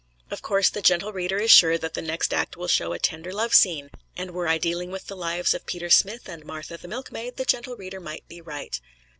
Of course, the gentle reader is sure that the next act will show a tender love scene. And were I dealing with the lives of Peter Smith and Martha the milkmaid, the gentle reader might be right.